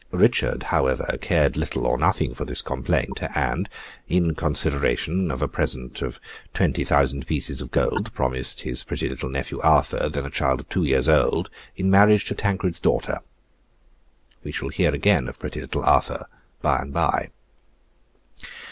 Richard, however, cared little or nothing for this complaint; and in consideration of a present of twenty thousand pieces of gold, promised his pretty little nephew Arthur, then a child of two years old, in marriage to Tancred's daughter. We shall hear again of pretty little Arthur by and by.